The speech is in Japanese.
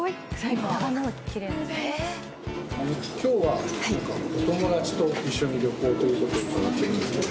今日はお友達と一緒に旅行という事を伺ってるんですけど。